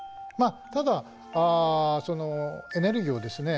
ただエネルギーをですね